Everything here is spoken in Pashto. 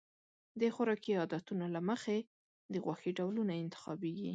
د خوراکي عادتونو له مخې د غوښې ډولونه انتخابېږي.